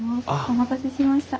お待たせしました。